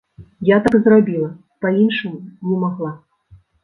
Я так і зрабіла, па-іншаму не магла.